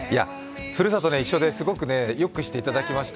ふるさとが一緒ですごく良くしていただきました。